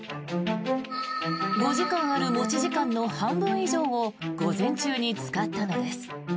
５時間ある持ち時間の半分以上を午前中に使ったのです。